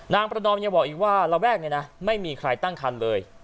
ประนอมยังบอกอีกว่าระแวกนี้นะไม่มีใครตั้งคันเลย